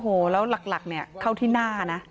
โอ้โหแล้วหลักเนี่ยเข้าที่หน้านะ